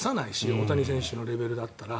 大谷選手のレベルだったら。